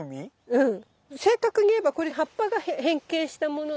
うん。